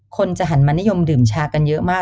คนจะหันมานิยมดื่มชากันเยอะมาก